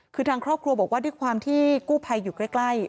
คือทางครอบครัวบอกว่าด้วยความที่กู้ภัยอยู่ใกล้